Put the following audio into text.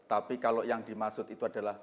tapi kalau yang dimaksud itu adalah